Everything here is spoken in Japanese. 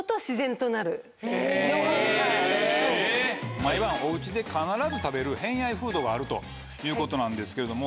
毎晩おうちで必ず食べる偏愛フードがあるということなんですけれども。